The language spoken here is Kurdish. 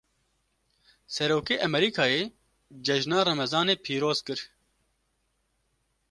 Serokê Emerîkayê, cejna remezanê pîroz kir